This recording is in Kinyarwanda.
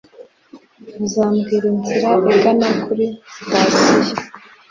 uzambwira inzira igana kuri sitasiyo